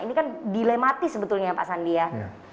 ini kan dilematis sebetulnya pak sandi ya